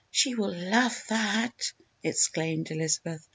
"She will love that!" exclaimed Elizabeth.